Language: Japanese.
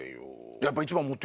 やっぱ。